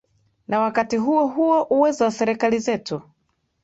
na wakati huo huo uwezo wa serikali zetu